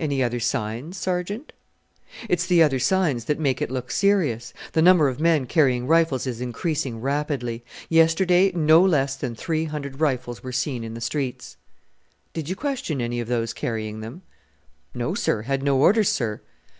"Any other signs, Sergeant?" "It's the other signs that make it look serious. The number of men carrying rifles is increasing rapidly. Yesterday no less than three hundred rifles were seen in the streets." "Did you question any of those carrying them?" "No, sir. Had no orders, sir."